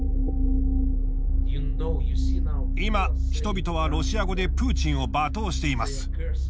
今、人々はロシア語でプーチンを罵倒しています。